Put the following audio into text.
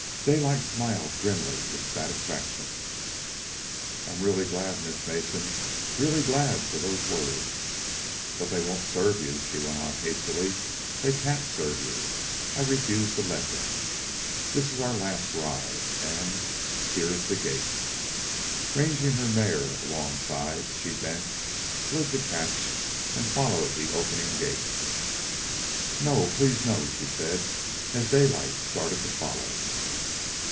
Daylight smiled grimly with satisfaction. "I'm real glad, Miss Mason, real glad for those words." "But they won't serve you," she went on hastily. "They can't serve you. I refuse to let them. This is our last ride, and... here is the gate." Ranging her mare alongside, she bent, slid the catch, and followed the opening gate. "No; please, no," she said, as Daylight started to follow.